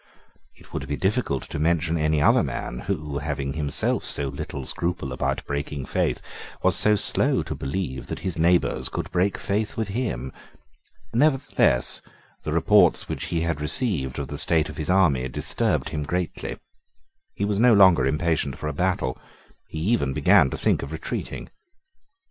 It would be difficult to mention any other man who, having himself so little scruple about breaking faith, was so slow to believe that his neighbours could break faith with him. Nevertheless the reports which he had received of the state of his army disturbed him greatly. He was now no longer impatient for a battle. He even began to think of retreating.